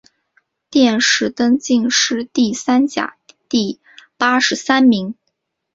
殿试登进士第三甲第八十三名。